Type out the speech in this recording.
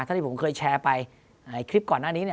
ถ้าที่ผมเคยแชร์ไปคลิปก่อนหน้านี้